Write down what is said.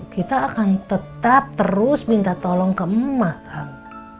kita akan tetap terus minta tolong ke emak kan